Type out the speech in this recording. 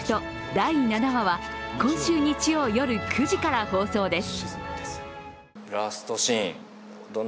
第７話は、今週日曜、夜９時から放送です。